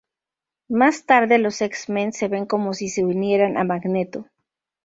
Más tarde los X-Men se ven como sí se unieran a Magneto.